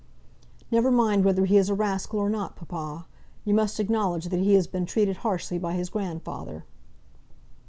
"Never mind whether he is a rascal or not, papa. You must acknowledge that he has been treated harshly by his grandfather."